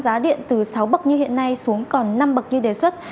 giá điện từ sáu bậc như hiện nay xuống còn năm bậc như đề xuất